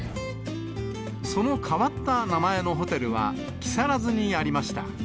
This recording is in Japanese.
その変わった名前のホテルは、木更津にありました。